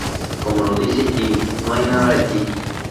Como lo dice Jimmy, no hay nada allí.